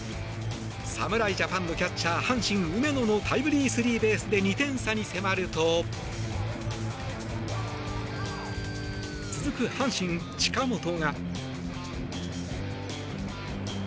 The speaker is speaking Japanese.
侍ジャパンのキャッチャー阪神、梅野のタイムリースリーベースで２点差に迫ると続く阪神、近本が。